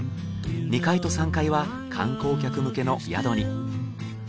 ２階と３階は観光客向けの宿に。